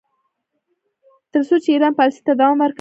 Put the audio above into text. تر څو چې ایران پالیسۍ ته دوام ورکوي.